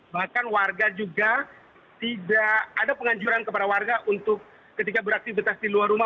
bahkan warga juga tidak ada penganjuran kepada warga untuk ketika beraktivitas di luar rumah